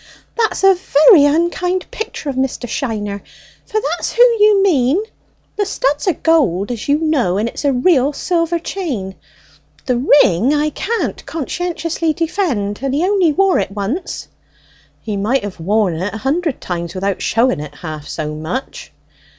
"That's a very unkind picture of Mr. Shiner, for that's who you mean! The studs are gold, as you know, and it's a real silver chain; the ring I can't conscientiously defend, and he only wore it once." "He might have worn it a hundred times without showing it half so much."